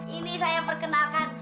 ini saya perkenalkan